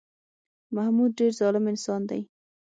محمود ډېر ظالم انسان دی